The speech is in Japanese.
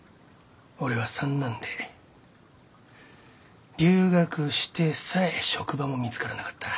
俺は三男で留学してさえ職場も見つからなかった。